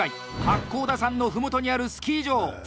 八甲田山のふもとにあるスキー場。